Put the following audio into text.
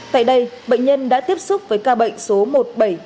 tại đây bệnh nhân đã tiếp xúc với ca bệnh số một nghìn bảy trăm bốn mươi ba